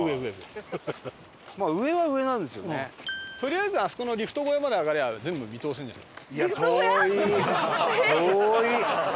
とりあえずあそこのリフト小屋まで上がれば全部見通せるんじゃない？